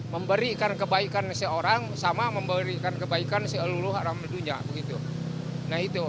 memberikan kebaikan seorang sama memberikan kebaikan semua orang dalam dunia begitu nah itu